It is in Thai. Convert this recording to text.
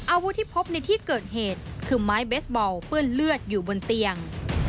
อาวุธที่พบในที่เกิดเหตุคือไม้เบสบอลเปื้อนเลือดอยู่บนเตียง